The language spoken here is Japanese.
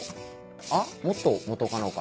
あ元・元カノか？